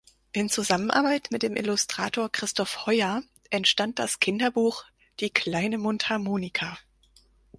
In Zusammenarbeit mit dem Illustrator Christoph Heuer entstand das Kinderbuch „Die kleine Mundharmonika“.